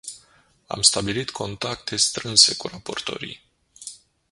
Am stabilit contacte strânse cu raportorii.